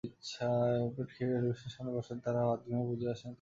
ভরপেট খেয়ে টেলিভিশনের সামনে বসেন যাঁরা, ভাতঘুমে চোখ বুজে আসে তাঁদের।